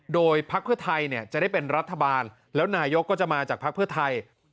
โดยพักเพื่อไทยจะได้เป็นรัฐบาลแล้วนายกก็จะมาจากภักดิ์เพื่อไทย